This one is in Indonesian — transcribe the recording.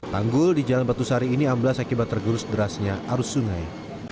tanggul di jalan batu sari ini amblas akibat tergerus derasnya arus sungai